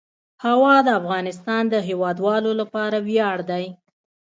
هوا د افغانستان د هیوادوالو لپاره ویاړ دی.